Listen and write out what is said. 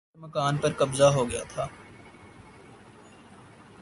ان کے مکان پر قبضہ ہو گیا تھا